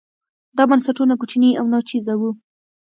دا بنسټونه کوچني او ناچیزه وو.